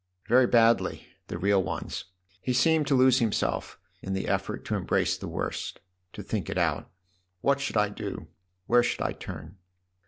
" Very badly the real ones." He seemed to lose himself in the effort to embrace the worst, to think it out. " What should I do ? where should I turn